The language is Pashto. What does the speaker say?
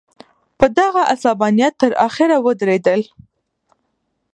په دغه غصبانیت تر اخره ودرېدل.